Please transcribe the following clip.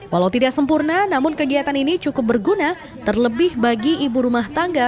walau tidak sempurna namun kegiatan ini cukup berguna terlebih bagi ibu rumah tangga